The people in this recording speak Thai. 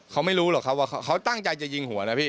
เขาไม่รู้หรอกครับว่าเขาตั้งใจจะยิงหัวนะพี่